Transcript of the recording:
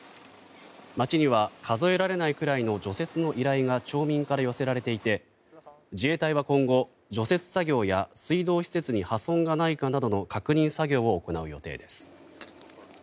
町には数えられないくらいの除雪の依頼が町民から寄せられていて自衛隊は今後、除雪作業や水道施設に破損がないかなどの確認作業を行う予定です。